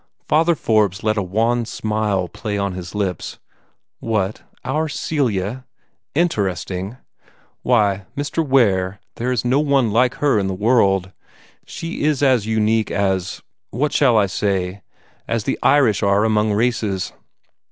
Father Forbes let a wan smile play on his lips. "What, our Celia?" he said. "Interesting! Why, Mr. Ware, there is no one like her in the world. She is as unique as what shall I say? as the Irish are among races.